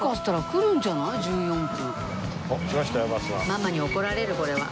ママに怒られるこれは。